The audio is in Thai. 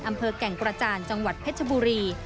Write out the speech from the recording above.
อำเภอแก่งกระจานจังหวัดเพชรบุรี